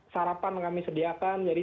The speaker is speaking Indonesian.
sarapan kami sediakan jadi